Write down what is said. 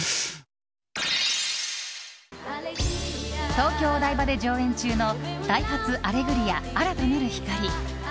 東京・お台場で上演中の「ダイハツアレグリア‐新たなる光‐」。